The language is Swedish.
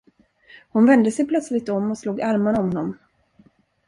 Hon vände sig plötsligt om och slog armarna om honom.